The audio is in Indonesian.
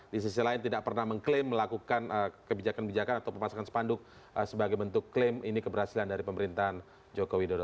di sisi lain tidak pernah mengklaim melakukan kebijakan kebijakan atau pemasangan sepanduk sebagai bentuk klaim ini keberhasilan dari pemerintahan joko widodo